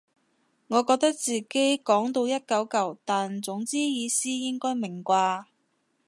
我覺得自己講到一嚿嚿但總之意思應該明啩